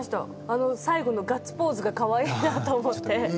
最後のガッツポーズがかわいかった。